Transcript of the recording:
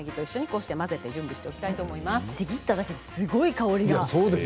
ちぎっただけですごい香りが。